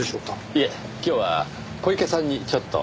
いえ今日は小池さんにちょっと。